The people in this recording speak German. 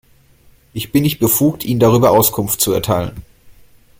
Ich bin nicht befugt, Ihnen darüber Auskunft zu erteilen.